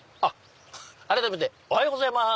改めておはようございます。